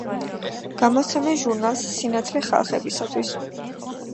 გამოსცემენ ჟურნალს „სინათლე ხალხებისათვის“